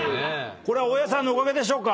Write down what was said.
大家さんのおかげでしょうか？